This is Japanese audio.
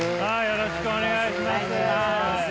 よろしくお願いします。